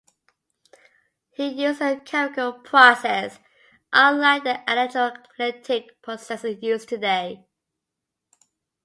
He used a chemical process, unlike the electrolytic processes used today.